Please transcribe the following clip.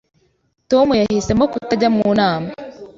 Tom yahisemo kutajya mu nama.